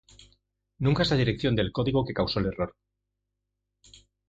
Nunca es la dirección del código que causó el error.